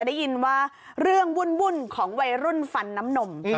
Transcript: ได้ยินว่าเรื่องวุ่นของวัยรุ่นฟันน้ำนม